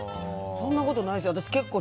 そんなことないですよ。